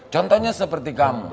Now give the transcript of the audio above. contohnya seperti kamu